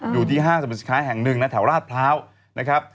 อยู่ที่ห้างสมบัติศิษฐาแห่งหนึ่งนะแถวราชพร้าวนะครับ